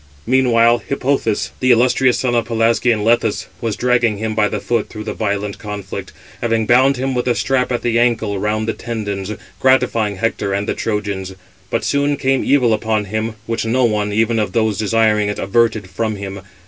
Meanwhile Hippothous, the illustrious son of Pelasgian Lethus, was dragging him by the foot through the violent conflict, having bound him with a strap at the ancle round the tendons, gratifying Hector and the Trojans. But soon came evil upon him, which no one, even of those desiring it, averted from him.